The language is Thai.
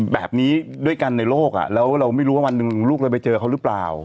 แบบนี้ด้วยกันในโลกอ่ะแล้วเราไม่รู้ว่าวันหนึ่งลูกเราไปเจอเขาหรือเปล่า